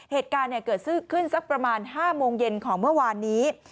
เหตุการณ์เกิดขึ้นสักประมาณ๕โมงเย็นของเมื่อวานนี้